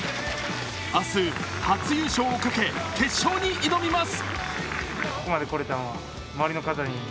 明日、初優勝をかけ決勝に挑みます